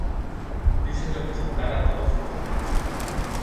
dicen representar a todos los demás